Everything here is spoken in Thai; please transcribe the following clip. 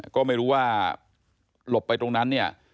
ก็ไม่รู้ว่าหลบไปตรงนั้นเนี่ย